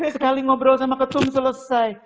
sekali ngobrol sama ketua umum selesai